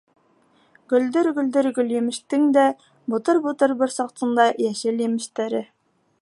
Гөлдөр-гөлдөр гөлйемештең дә, бутыр-бутыр борсаҡтың да йәшел емештәре!